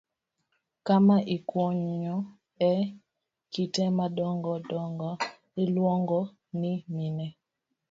Kama ikunyoe kite madongo dongo iluongo ni mine.